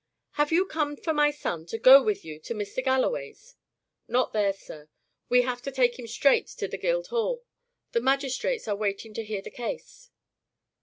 "Have you come for my son to go with you to Mr. Galloway's?" "Not there, sir. We have to take him straight to the Guildhall. The magistrates are waiting to hear the case."